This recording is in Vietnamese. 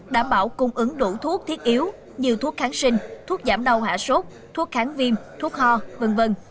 đảm bảo cung ứng đủ thuốc thiết yếu như thuốc kháng sinh thuốc giảm đau hạ sốt thuốc kháng viêm thuốc ho v v